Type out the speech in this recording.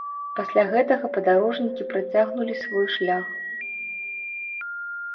Пасля гэтага падарожнікі працягнулі свой шлях.